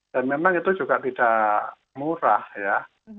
dan memang itu juga tidak murah ya